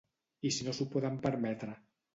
I si no s'ho poden permetre?